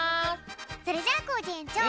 それじゃあコージえんちょう